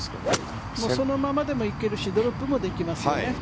そのままでも行けるしドロップもできますね。